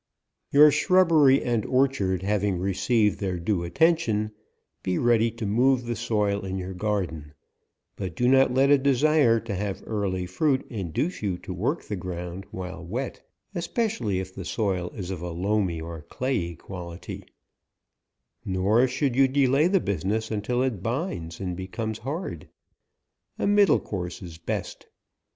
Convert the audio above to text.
Your shrubbery and orchard having recei ved their due attention, be ready to move the soil in your garden ; but do not let a de sire to have early fruit induce you to work the ground while wet, especially if the soil is of a loamy or clayey quality ; nor should you delay the business until it binds, and becomes hard : a middle course is best.